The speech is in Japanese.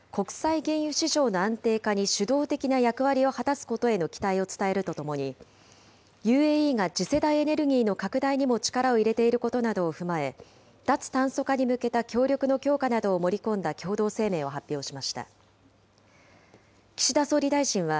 会談では、国際原油市場の安定化に主導的な役割を果たすことへの期待を伝えるとともに、ＵＡＥが次世代エネルギーの拡大にも力を入れていることなどを踏まえ、脱炭素化に向けた協力の強化などを盛り込んだ共同声明を発表しました。